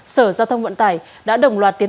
sở giao thông vận tải đã đồng loạt tiến